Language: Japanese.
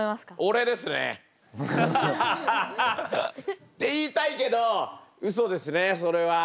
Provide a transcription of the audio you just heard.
俺ですね。って言いたいけどうそですねそれは。